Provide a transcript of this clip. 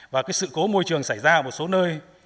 và cái sự cố môi trường xảy ra ở một số nơi